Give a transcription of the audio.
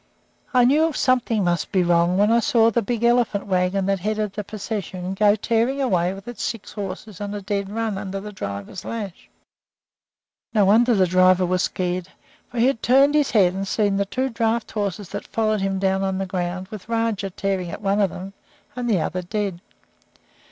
I knew something must be wrong when I saw the big elephant wagon that headed the procession go tearing away with its six horses on a dead run under the driver's lash. No wonder the driver was scared, for he had turned his head and seen the two draft horses that followed him down on the ground, with Rajah tearing at one of them, and the other one dead.